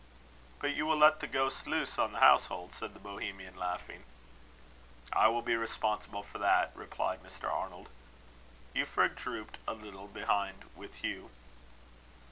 "But you will let the ghost loose on the household," said the Bohemian, laughing. "I will be responsible for that," replied Mr. Arnold. Euphra dropped a little behind with Hugh.